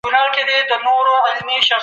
ایا د مستو خوړل د معدې تېزابیت کموي؟